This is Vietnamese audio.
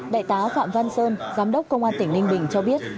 đại tá phạm văn sơn giám đốc công an tỉnh ninh bình cho biết